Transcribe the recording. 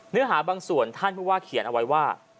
เนื้อหาบางส่วนท่านผู้ว่าเขียนเอาไว้ว่า